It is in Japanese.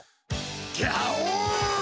ギャオン！